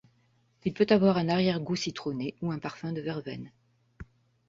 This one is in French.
Il peut avoir un arrière-goût citronné ou un parfum de verveine.